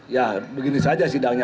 ya begini saja sidangnya